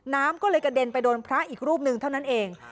น้ำก็เลยกระเด็นไปโดนพระอีกรูปหนึ่งเท่านั้นเอง